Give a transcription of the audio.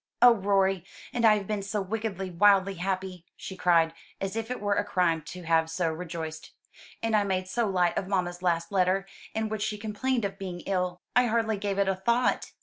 "Oh, Rorie, and I have been so wickedly, wildly happy!" she cried, as if it were a crime to have so rejoiced. "And I made so light of mamma's last letter, in which she complained of being ill. I hardly gave it a thought."